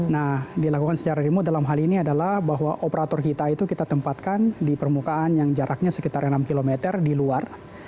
nah dilakukan secara remote dalam hal ini adalah bahwa operator kita itu kita tempatkan di permukaan yang jaraknya sekitar enam km di luar